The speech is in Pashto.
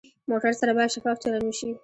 موټر سره باید شفاف چلند وشي.